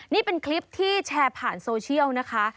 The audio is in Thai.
นี่เป็นคลิปที่แชร์ผ่านโซเชียลนะคะ